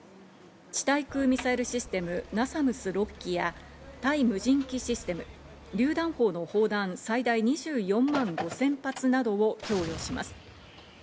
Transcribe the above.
地対空ミサイルシステム「ＮＡＳＡＭＳ」６基や対無人機システム、りゅう弾砲の砲弾、最大２４万５０００発などを供与します。